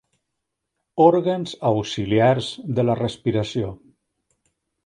Òrgans auxiliars de la respiració.